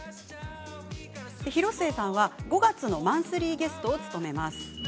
広末さんは、５月のマンスリーゲストを務めます。